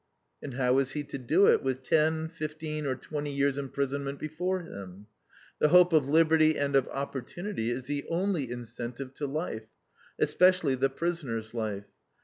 And how is he to do it with ten, fifteen, or twenty years' imprisonment before him? The hope of liberty and of opportunity is the only incentive to life, especially the prisoner's life.